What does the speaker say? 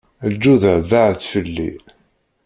Lǧuda baɛed fell-i.